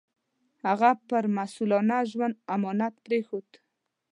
هغه پر مسوولانه ژوند امانت پرېښود.